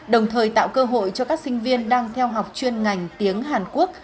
đồng thời tạo cơ hội cho các sinh viên đang theo học chuyên ngành tiếng hàn quốc